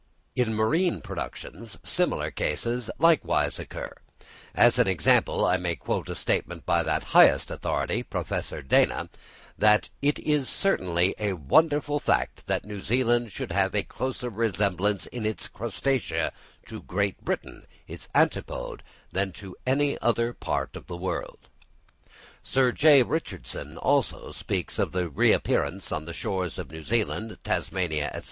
In marine productions, similar cases likewise occur; as an example, I may quote a statement by the highest authority, Prof. Dana, that "it is certainly a wonderful fact that New Zealand should have a closer resemblance in its crustacea to Great Britain, its antipode, than to any other part of the world." Sir J. Richardson, also, speaks of the reappearance on the shores of New Zealand, Tasmania, &c.